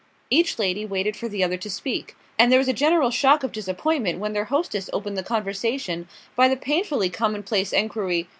Each lady waited for the other to speak; and there was a general shock of disappointment when their hostess opened the conversation by the painfully commonplace enquiry.